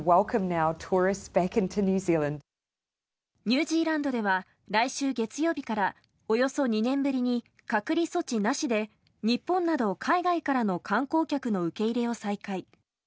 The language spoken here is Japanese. ニュージーランドでは来週月曜日からおよそ２年ぶりに隔離措置なしで日本など、海外からの観光客の受け入れを再開。